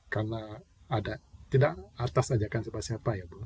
karena ada tidak atas ajakan siapa siapa ya bu